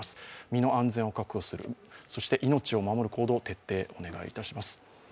身の安全を確保する、そして命を守る行動の徹底をお願いいたします。